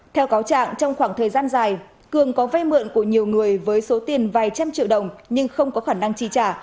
theo cáo trạng trong khoảng thời gian dài cường có vay mượn của nhiều người với số tiền vài trăm triệu đồng nhưng không có khả năng chi trả